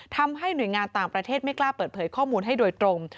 ทำให้หน่วยงานต่างประเทศไม่กล้าเปิดเผยข้อมูลให้โดยตรง